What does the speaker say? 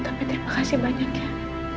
tapi terima kasih banyak ya